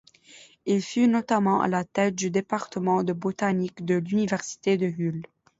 Il fut notamment à la tête du département de botanique de l'Université de Hull.